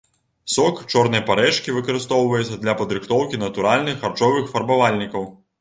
Сок чорнай парэчкі выкарыстоўваецца для падрыхтоўкі натуральных харчовых фарбавальнікаў.